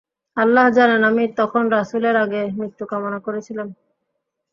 আল্লাহ জানেন, আমি তখন রাসূলের আগে মৃত্যু কামনা করছিলাম।